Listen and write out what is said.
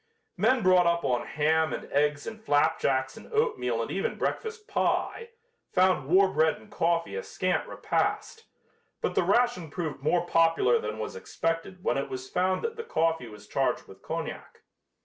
Men brought up on ham and eggs and flapjacks and oatmeal and even breakfast pie, found war bread and coffee a scant repast, but the ration proved more popular than was expected when it was found that the coffee was charged with cognac.